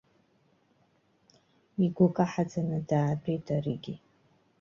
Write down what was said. Игәы каҳаӡаны даатәеит аригьы.